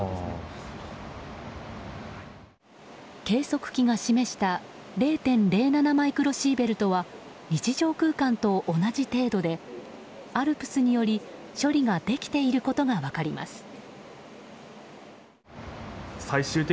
計測器が示した０．０７マイクロシーベルトは日常空間と同じ程度でアルプスにより処理ができていることが分かります。